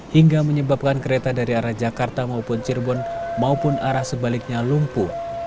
hingga menyebabkan kereta dari arah jakarta maupun cirebon maupun arah sebaliknya lumpuh